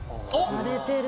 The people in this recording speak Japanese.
割れてる。